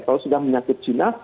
kalau sudah menyakit cina